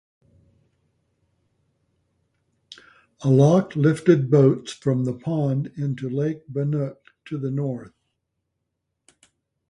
A lock lifted boats from the pond into Lake Banook to the north.